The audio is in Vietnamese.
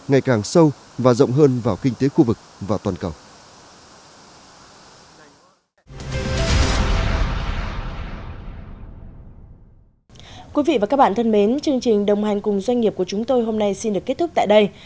quý vị và các bạn thân mến chương trình đồng hành cùng doanh nghiệp của chúng tôi hôm nay xin được kết thúc tại đây